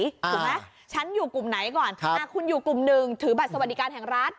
ถูกไหมฉันอยู่กลุ่มไหนก่อนคุณอยู่กลุ่มหนึ่งถือบัตรสวัสดิการแห่งรัฐ